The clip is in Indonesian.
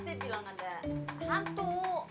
dia bilang ada hantu